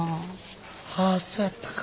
ああそやったか。